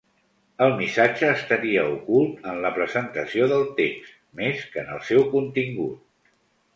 El missatge estaria ocult en la presentació del text, més que en el seu contingut.